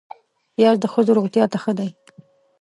پیاز د ښځو روغتیا ته ښه دی